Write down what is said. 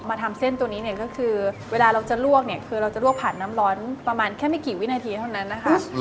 ทำเส้นตัวนี้เนี่ยก็คือเวลาเราจะลวกเนี่ยคือเราจะลวกผ่านน้ำร้อนประมาณแค่ไม่กี่วินาทีเท่านั้นนะคะ